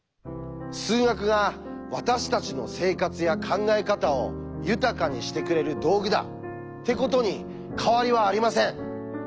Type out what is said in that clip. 数学が私たちの生活や考え方を豊かにしてくれる道具だってことに変わりはありません。